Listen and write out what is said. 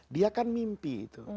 dia kan mimpi itu